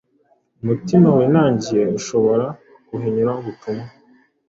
umutima winangiye ushobora guhinyura ubutumwa,